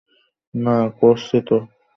না, করছি তো!